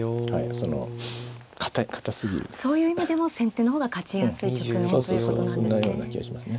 そういう意味でも先手の方が勝ちやすい局面ということなんですね。